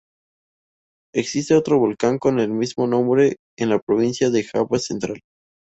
Existe otro volcán con el mismo nombre en la provincia de Java Central.